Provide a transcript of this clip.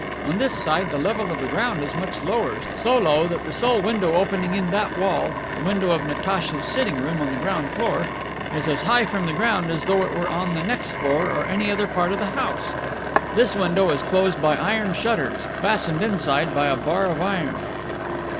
On this side the level of the ground is much lower, so low that the sole window opening in that wall (the window of Natacha's sitting room on the ground floor) is as high from the ground as though it were on the next floor in any other part of the house. This window is closed by iron shutters, fastened inside by a bar of iron.